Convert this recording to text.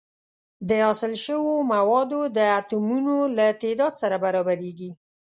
د حاصل شوو موادو د اتومونو له تعداد سره برابریږي.